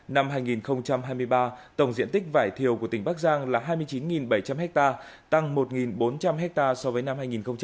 năm hai nghìn hai mươi ba tổng diện tích vải thiều của tỉnh bắc giang là hai mươi chín bảy trăm linh ha tăng một bốn trăm linh hectare so với năm hai nghìn hai mươi hai